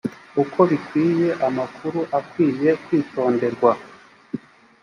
uko bikwiye amakuru akwiye kwitonderwa